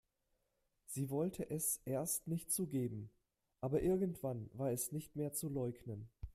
Sie wollte es erst nicht zugeben, aber irgendwann war es nicht mehr zu leugnen.